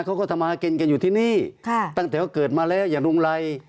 เขาก็ทำมากินกันอยู่ที่นี่ตั้งแต่เกิดมาแล้วอย่าดุงไร